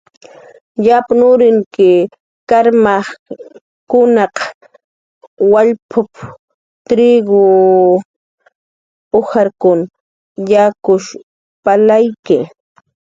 "Yapn nurkir karmajkunaq wallpuñap"" triku, ujarkun yakush palayki"